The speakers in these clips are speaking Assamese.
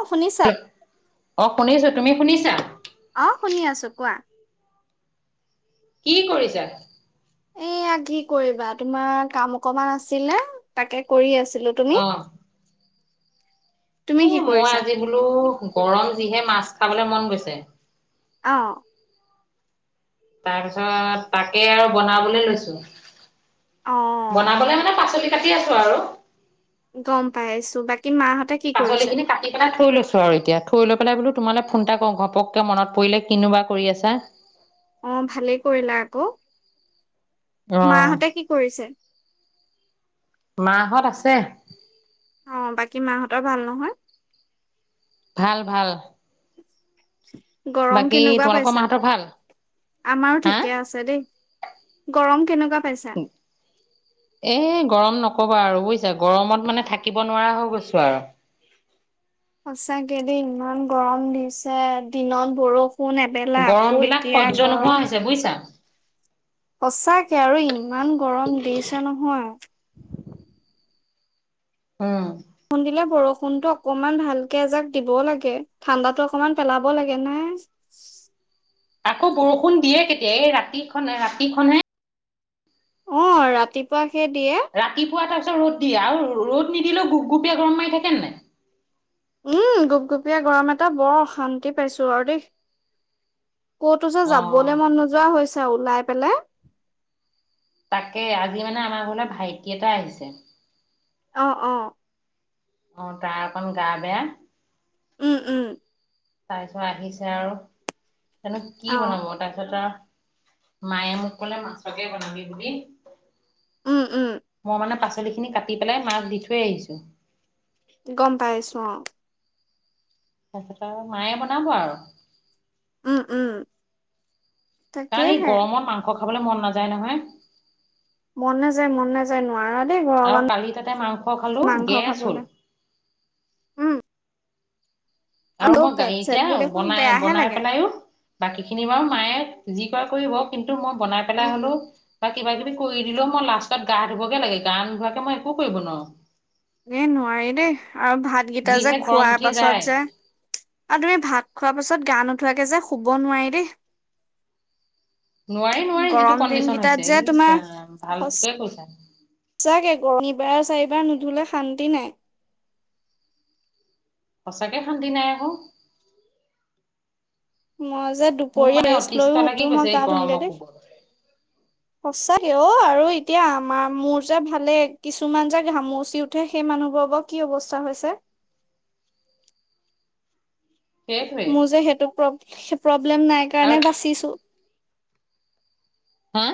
অ' শুনিছ- অঁ' শুনিছো, তুমি শুনিছা? অ‌ঁ' শুনি আছো। কোৱা? কি কৰিছা? এয়া কি কৰিবা? তোমাৰ কাম অকমান আছিলে, তাকে কৰি আছিলো। তুমি অঁ'। তুমি এ কি মই কৰিছা আজি বোলো গৰম যিহে মাছ খাবলে মন গৈছে। অঁ'। তাৰপিছত, তাকে আৰু বনাবলে লৈছো। অ বনাবলে মানে পাচলি- কাটি আছোঁ আৰু। গ'ম পাই আছো। বাকী মাহঁতে- কি পাচলি কৰিছে খিনি, কাটি পেলায় থৈ লৈছোঁ। আৰু এতিয়া, থয় লৈ পেলাই বোলো তোমালে ফোন এটা কৰো, ঘপকে মনত পৰিলে, কিনো বা কৰি আছা। অ', ভালেই কৰিলা আকৌ। অ মাহঁতে কি কৰিছে? মা'হঁত আছে। অ', বাকী মাহঁতৰ, ভাল নহয়? ভাল ভাল। গৰম, বাকী কেনেকুৱা তোমালোকৰ পাইছা? মাহঁতৰ ভাল আমাৰো হা ঠিকে আছে দেই। গৰম, কেনেকুৱা পাইছা? এ গৰম নকবা আৰু বুজিছা, গৰমত মানে, থাকিব নোৱাৰা হৈ গৈছোঁ আৰু। সঁচাকে দেই, ইমান গৰম দিছে। দিনত বৰষুণ এ বেলা, গৰম আকৌ বিলাক এতিয়া সহ্য নোহোৱা গৰম। হৈছে বুজিছা? সঁচাকে, আৰু ইমান গৰম দিছে নহয়। উম। বৰষুণ দিলে, বৰষুণতটো অকনমান ভালকে এযাক দিবও লাগে, ঠাণ্ডাতো অকমান পেলাব লাগে, নাই। আকৌ বৰষুণ দিয়ে কেতিয়া, এই ৰাতি খনে, ৰাতিখনহে। অ', ৰাতিপুৱা হে দিয়ে। ৰাতিপুৱা তাৰপিছত, ৰ'দ দিয়ে। আৰু ৰ'দ নিদিলেঁও, গুপ গুপীয়া গৰম মাৰি থাকেনে নাই? উম, গুপগুপীয়া গৰম এটা, বৰ অশান্তি পাইছোঁ আৰু দেই। ক'তো যে অ যাবলৈ মন নোযোৱা হৈছে, ওলাই পেলাই। তাকে, আজি মানে আমাৰ ঘৰলে, ভাইটি এটা আহিছে। অ', অ',। অ', তাৰ অকণ, গা বেয়া। উম, উম। তাৰপিছত আহিছে আৰু, এতিয়ানো কি অ বনাব, তাৰপিছত আৰু মায়ে মোক ক'লে, মাছকে বনাবি বুলি। উম উম মই মানে, পাচলি খিনি কাটি পেলাই, মাক দি থয় আহিছো। গম পাইছো অ'। তাৰপিছত আৰু, মায়ে বনাব আৰু। উম, উম। কাৰণ এই তাকেহে গৰমত, মাংস খাবলৈ মন নাযায় নহয়। মন নাযায়, মন নাযায়। নোৱাৰ দেই, আৰু কালি তাতে মাংস খালো গৰমত মাংস গেছ হ'ল খাবলৈ। উম',। আৰু মই পেট চেট গাইকে বোৰ দেখোন বনাই বেয়াহে বনাই লাগে পেলাইওঁ বাকী খিনি বাৰু মায়ে যি কৰে কৰিব, কিন্তু মই বনাই পেলাই উম হলেওঁ বা কিবা কিবি কৰি দিলেওঁ মই লাষ্টত গা ধুবগে লাগে, গা নোধোৱাকে মই একো কৰিব নোৱাৰো। এ' নোৱাৰি দেই আৰু ভাতকেইটা যে যিহে গৰম খোৱাৰ উঠি যায় পাছত যে আৰু তুমি ভাত খোৱাৰ পাছত গা নোধোৱাকে যে শুব নোৱাৰি দেই। নোৱাৰি নোৱাৰি যিটো গৰম দিন কণ্ডিচন কেইটাত হৈছে যে ইচ তোমাৰ ৰাম ভালটোৱে কৈছা। [inaudible] সঁচাকে শান্তি নাই আকৌ। মই যে মোৰ দুপৰীয়া মানে ৰেষ্ট অতিষ্ঠ লৈয়ো লাগি উঠিও মই গৈছে এই গা ধুমগে গৰমৰ দেই। কোবত সঁচাকে অ' আৰু এতিয়া আমাৰ মোৰ যে ভালে, কিছুমান যে ঘামচি উঠে সেই মানুহ বোৰৰ বা কি অৱস্থা হৈছে‌? সেইটোৱে মোৰ যে সেইটো প্ৰ প্ৰব্লেম নাই আৰু কাৰণে বাচিছো। হাঁ?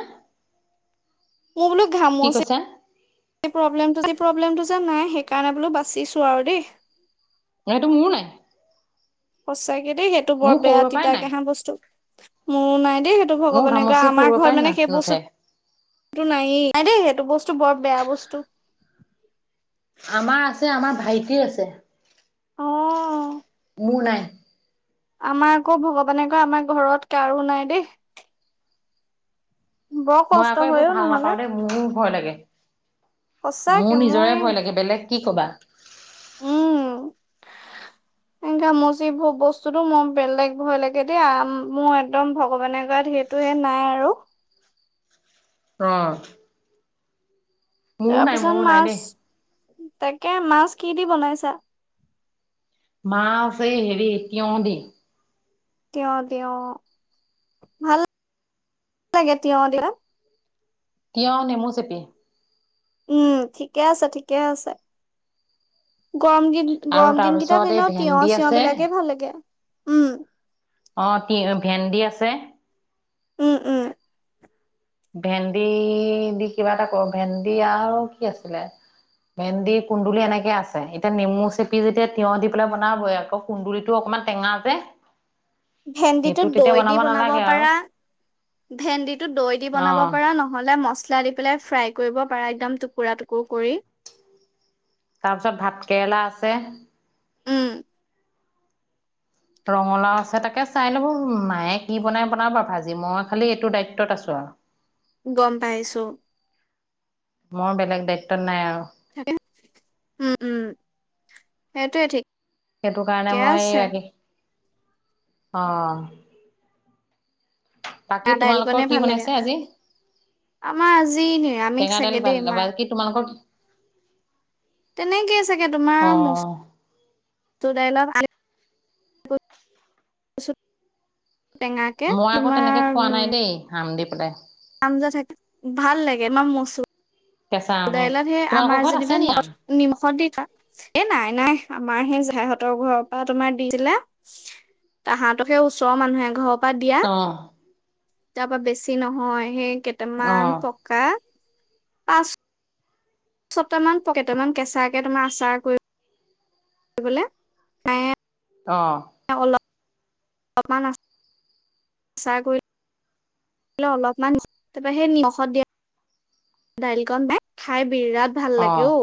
মো বোলো কি ঘামূচি- কৈছা এই প্ৰব্লেমটো এই প্ৰব্লেমটো যে নাই সেইকাৰণে বোলো বাচিছো আৰু দেই। মানে এইটো মোৰো নাই। সঁচাকে দেই সেইটো বৰ মোৰ বেয়া সৰুৰে পৰাই তিতা নাই কেঁহা বস্তু, মোৰো নাই দেই- টো মোৰ ভগৱানে কৰা ঘামচি আমাৰ সৰুৰে পৰাই ঘৰত না মানে সেই নুঠে। বস্তু- টো নাইয়েই, নাই দেই সেইটো বস্তু বৰ বেয়া বস্তু। আমাৰ আছে, আমাৰ ভাইটিৰ আছে। অ মোৰ নাই। আমাৰ আকৌ ভগৱানে কয়, আমাৰ ঘৰত কাৰো নাই দেই। বৰ মই কষ্ট আকৌ এইবোৰ হয়ও ভাল নহলে নাপাওঁ দেই, মোৰো ভয় লাগে। মোৰ সঁচাকে মই নিজৰে ভয় লাগে বেলেগ কি কবা। ঘামূচিভো বস্তুতো মোৰ বেলেগ ভয় লাগে দেই আ মোৰ একদম ভগৱানে কৰাত- টোৱে নাই আৰু। অঁ'। তাৰ পিছত মোৰো নাই দেই মাছ, তাকে মাছ কি দি বনাইছা? মাছ এই হেৰি তিয়ঁ দি। তিয়ঁহ তিয়ঁহ, ভালা লাগে তিয়ঁহ দি পেলে। তিয়ঁহ নেমু চেপি। উম' ঠিকে আছে ঠিকে আছে। গৰম দিন আৰু গৰম দিন তাৰপিছত কেইটাত এই এনেওঁ তিয়ঁহ ভেন্দি চিয়ঁহ আছে বিলাকে ভাল লাগে, উম। অঁ' তিঁ ভেন্দি আছে। উম' উম'। ভেন্দি দি কিবা এটা কৰো, ভেন্দি আৰু কি আছিলে? ভেন্দি কুন্দুলি এনেকে আছে, এতিয়া নেমু চেপি যেতিয়া তিয়হ দি পেলাই বনাবই আকৌ। কুন্দুলীতো অকমান টেঙা যে। ভেন্দিটো সেইটো তেতিয়া দৈ দি বনাব নালাগে আৰু পাৰা। ভেন্দিটো দৈ দি বনাব অ', পাৰা, নহলে মছলা দি- পেলাই ফ্ৰাই কৰিব পাৰা একদম টুকুৰা-টুকুৰ কৰি। তাৰপিছত ভাতকেৰেলা আছে। উম ৰঙলাও আছে তাকে চাই ল'ব, মায়ে বনাই বনাব ভাজি মই খালি এইটো দায়িত্বত আছো আও। গম পাইছোঁ। মই বেলেগ দ্বায়িত্বত নাই আৰু। তাকে, উম', উম', সেইটোয়ে ঠিক। সেইটো কাৰণে ঠিকে মই আছে আজি অঁ। বাকী চানা তোমালোকৰ দাইলকণে কি ভাল লাগে। বনাইছে আজি আমাৰ আজি নিৰামিষ টেঙা দাইল চাগে দেই মা। বাকী তোমালোকৰ- তেনেকে চাগে তোমাৰ অ', মচুৰ দাইলত- কচুত টেঙাকে তোমাৰ- সান্দি পেলাই। আঞ্জা থাকে ভাল লাগে ন, মচুৰ কেঁচা আম দাইলত সেই তোমালোকৰ আমাৰ ঘৰত আছে যেনিবা- নি আম? নিমখত দি থ, এ নাই নাই আমাৰ সেই জাঠাইহঁতৰ ঘৰৰ পৰা তোমাৰ দিছিলে- তাহাঁতক সেই ওচৰৰ মানুহ এঘৰ- পা দিয়া অ', তাপা বেছি নহয় সেই অ', কেইটামান পক- [unintelligible] ছটা মান, প-কেইটামান কেঁচাকে তোমাৰ আচাৰ কৰি [unintelligible] অ, এই অলপ [unintelligible] অলপমান, তাৰপৰা সেই নিমখত দি দাইল খনহে, খাই বিৰাট ভাল লাগে অ,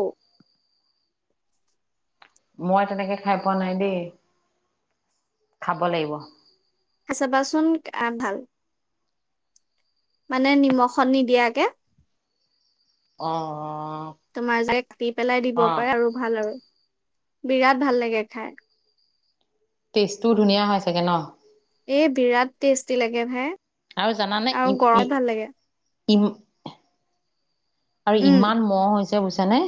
মই তেনেকে খাই পোৱা নাই দেই। খাব লাগিব। খাই চাবাচোন বিৰাট ভাল, মানে নিমখত নিদিয়াকে। অ, তোমাৰ যে, [inaudible] পেলাই দিব অ পাৰে আৰু ভাল আৰু বিৰাট ভাল লাগে খাই। টেষ্টটো ধুনীয়া হয় চাগে ন? এই বিৰাট টেষ্টি লাগে ভাই আৰু জানানে ই আৰু ই গৰম ভাল লাগে। ইম, আৰু উম ইমান মহ হৈছে বুজিছা নে?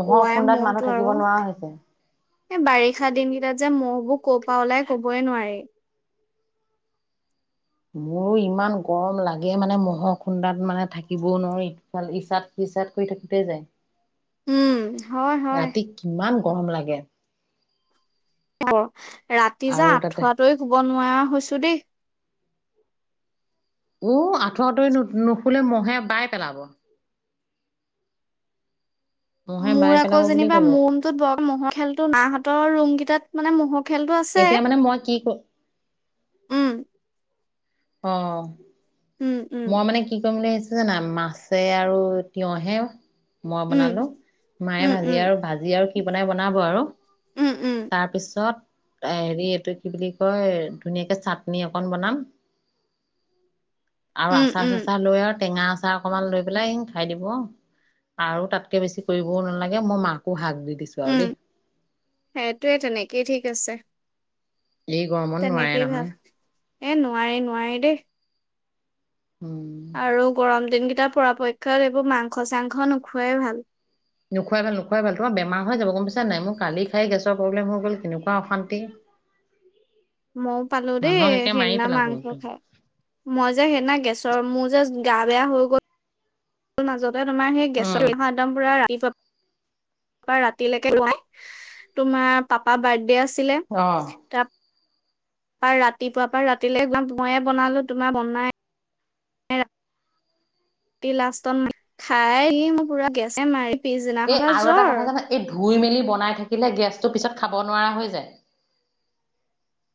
মহৰ ঐ খুন্দাত মহটো মানুহ আৰু থাকিব নোৱাৰা হৈছে। এই বাৰিষা দিন কেইটাত যে, মহবোৰ ক'ৰ পৰা ওলাই ক'বই নোৱাৰি। মোৰো ইমান গৰম লাগে মানে মহ'ৰ খুন্দাত মানে থাকিব নোৱাৰি। ভাল, ইচাদ-বিচাদ কৰি থাকোতেই যায়। উম, হয় হয় ৰাতি কিমান গৰম লাগে। অ, ৰাতি যে আৰু তাতে আঠুৱা টৰি শুব নোৱাৰা হৈছোঁ দেই। উ, আঁঠুৱা টৰি নুশুলে মহে বাই পেলাব। মহে মোৰ বাই আকৌ পেলাব বুলি যেনিবা, কলো মোন [inaudible] ম'হৰ খেলতো মাহঁতৰ ৰুম কেইটাত মানে ম'হৰ খেলতটো আছে। এতিয়া মানে মই কি ক উম, অ, উম উম মই মানে কি কৰিম বুলি আহিছ জানা, মাছে আৰু তিয়হে মই উম বনালো, মায়ে উম ভাজি উম আৰু ভাত। ভাজি আৰু কি বনাই, বনাব আৰু উম উম তাৰপিছত হেৰি এইটো কি বুলি কয়, ধুনীয়াকে চাটনি অকণ বনাম। আৰু উম উম আচাৰ-চাচাৰ লৈ আৰু টেঙা আচাৰ অকমান লৈ পেলাই আহি খাই দিব। আৰু তাতকে বেছি কৰিবও নালাগে, মই মাকো হাক দি দিছোঁ আৰু দেই। সেইটোৱেই তেনেকেই ঠিক আছে। এই গৰমত নোৱাৰে তেনেকে নহয় ভাল। এই নোৱাৰি, নোৱাৰি, দেই। উম, আৰু গৰম দিন কেইটা পৰাপক্ষত, এইবোৰ মাংস-চাংস নোখোৱাই ভাল। নুখুৱাই ভাল নোখুৱাই ভাল তোমাৰ বেমাৰ হৈ যাব গম পাইছা নে নাই। মোৰ কালি খাই গেছৰ প্ৰবলেম হৈ গল কেনেকুৱা। অশান্তি। মইয়ো পালো দেই মানুহক একে মাৰি সেইদিনা পেলাব মাংস একদম খাই। মই যে সেইদিনা গেছৰ, মোৰ যে গা বেয়া হৈ গ'ল মাজত। তোমাৰ সেই গেছৰ উম [unintelligible] পুৰা ৰাতিপুৱাৰ পা ৰাতিলৈকে [unintelligible] তোমাৰ পাপা বাৰ্থডে আছিলে। অঁ। আৰু ৰাতিপুৱা পৰা ৰাতিলে একদম মইয়ে বনালো তোমাৰ বনাই লাষ্টত খাইহি মোৰ পুৰা গেছে মাৰি এই পিছদিনাখনৰ পৰা আৰু এটা জ্বৰ কথা জানা এই ধুই মেলি বনাই থাকিলে, গেছটো পিছত খাব নোৱাৰা হৈ যায়।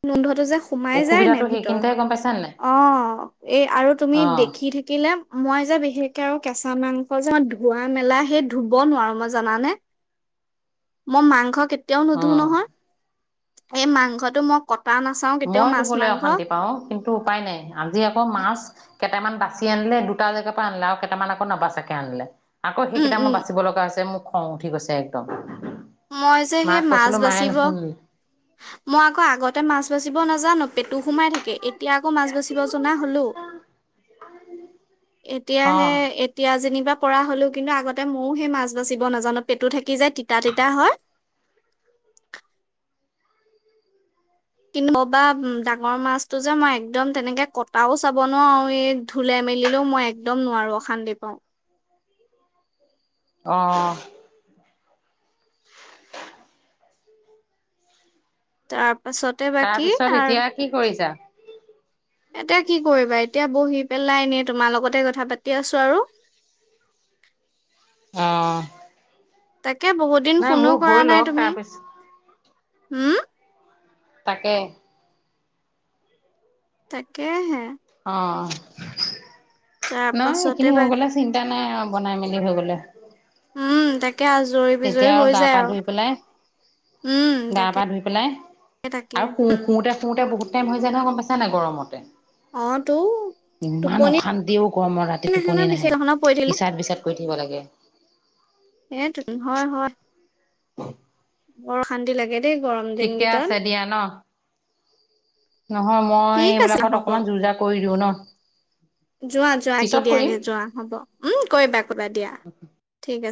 গোন্ধটো যে সুমাই যাই নাই সেইখিনিতে, গম পাইছা নাই? অ' এই আৰু তুমি অ', দেখি থাকিলে। মই যে বিশেষকে আৰু কেঁচা মাংস যে মই ধোৱা মেলা হেই ধুব নোৱাৰো মই জানানে। মই মাংস কেতিয়া তেওঁ নোধো অ', নহয় এই মাংসটো মই কটা না মই ধুবলৈ অশান্তি পাওঁ কিন্তু উপায় নাই আজি আকৌ মাছ কেটামান বাচি আনিলে, দুটা জেগাৰ পৰা আনিলে। আৰু কেইটামান আকৌ নাবাচাকে আনিলে। আকৌ উম, সেইকেইটা উম, মই বাচিব লগা হৈছে, মোৰ খং উঠি গৈছে একদম। মই যে সেই মাক মাছ কৈছিলো মায়ে বাচিব - নুশুনিলে। মই আকৌ আগতে মাছ বচিব নাজানো, পেটু সোমাই থাকে। এতিয়া আকৌ মাছ বাচিব জনা হলো এতিয়াহে অ', এইত - এতিয়া যেনিবা পৰা হ'লেও কিন্তু আগতে ময়ো সেই মাছ বাচিব নাজানো পেটু থাকি যায় তিতা তিতা হয়। [inaudible] কি কবা ডাঙৰ মাছটো যে মই একদম তেনেকে কটাও চাব নোৱাৰোঁ আও এই ধুলে মেলিলেও মই একদম নোৱাৰো, অশান্তি পাওঁ। অ', তাৰ পাছত তাৰ পিছত এতিয়া কি কৰিছা? এতিয়া কি কৰিবা, এতিয়া বহি পেলাই, এনে তোমাৰ লগতে কথা পাতি আছো আৰু। অঁ। তাকে বহুত দিন ফোনো কৰা হৈ নাই লওক তুমি তাৰপিছত উম তাকে। তাকেহে। অ'। তাৰ নহ পাছতে সেইখিনি বা হৈ গ'লে চিন্তা নাই আও বনাই মেলি হৈ গ'লে। উম তাকে আজৰি বিজৰী তেতিয়া হৈ গা পা আৰু। ধুই পেলাই উম গা পা তাকে ধুই তাকে উম শোওঁতে বহুত টাইম হৈ যায় নহয় গম পাইছা নাই গৰমতে অ তো ইমান টোপনি অশান্তি ঐ গৰমত ৰাতি ন টোপনি নাহে, বিশেষ এখনত পৰি থাকিলো ইচাৰ বিচাৰ কৰি থাকিব লাগে সেই টো হয় হয়। [inaudible] বৰ অশান্তি লাগে দেই গৰম দিন কেইটাত বিয়া ন? নহয় মই ঠিক আছে এইবিলাকত হ'ব অকণমান যো জা কৰি দিওঁ ন যোৱা যোৱা কি পিছত কৰিম দিয়াগে যোৱা হ'ব উ‌ কৰিবা কবা দিয়া ঠিক আছে